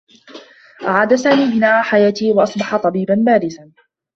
أعاد سامي بناء حياته و أصبح طبيبا بارزا.